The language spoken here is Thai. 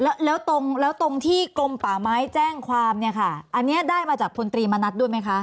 แล้วแล้วตรงแล้วตรงที่กลมป่าไม้แจ้งความเนี่ยค่ะอันนี้ได้มาจากพลตรีมณัฐด้วยไหมคะ